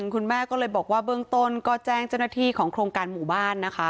คุณแม่ก็เลยบอกว่าเบื้องต้นก็แจ้งเจ้าหน้าที่ของโครงการหมู่บ้านนะคะ